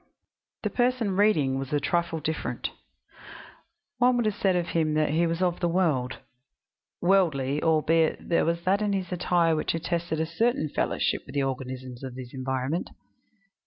The person reading was a trifle different; one would have said of him that he was of the world, worldly, albeit there was that in his attire which attested a certain fellowship with the organisms of his environment.